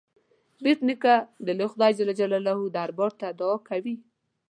بېټ نیکه د لوی خدای جل جلاله دربار ته دعا کوي.